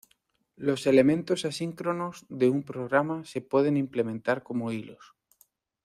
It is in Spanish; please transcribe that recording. Los elementos asíncronos de un programa se pueden implementar como hilos.